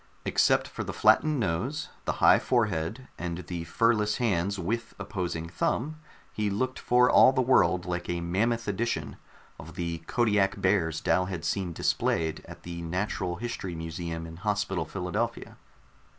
Except for the flattened nose, the high forehead and the fur less hand with opposing thumb, he looked for all the world like a mammoth edition of the Kodiak bears Dal had seen displayed at the natural history museum in Hospital Philadelphia.